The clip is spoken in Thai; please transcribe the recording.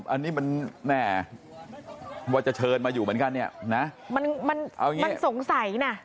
อันนี้มันแม่ว่าจะเชิญมาอยู่เหมือนกันเนี่ยนะมันมันสงสัยน่ะ